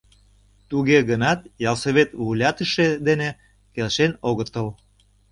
Туге гынат ялсовет вуйлатыше дене келшен огытыл.